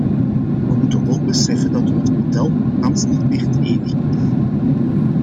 We moeten ook beseffen dat ons model thans niet meer het enige is?